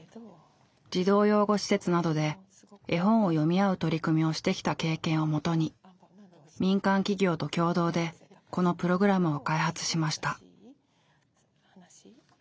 児童養護施設などで絵本を読みあう取り組みをしてきた経験をもとに民間企業と共同でこのプログラムを開発しました。